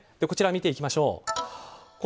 こちらを見ていきましょう。